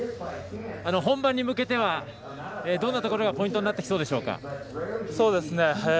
本番に向けてはどんなところがポイントになってきそうですか。